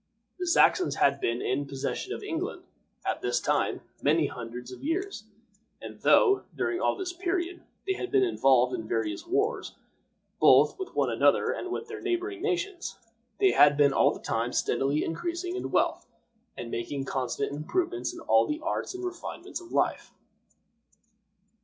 The Saxons had been in possession of England, at this time, many hundred years; and though, during all this period, they had been involved in various wars, both with one another and with the neighboring nations, they had been all the time steadily increasing in wealth, and making constant improvements in all the arts and refinements of life.